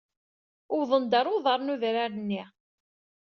Wwḍen-d ɣer uḍar n udrar-nni.